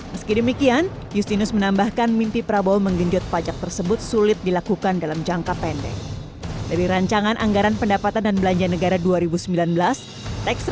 meski demikian justinus menambahkan mimpi prabowo menggenjot pajak tersebut sulit dilakukan dalam jangka pendek